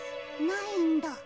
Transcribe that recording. ないんだ。